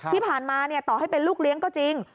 ที่ผ่านมาต่อให้เป็นลูกเลี้ยงก็จริง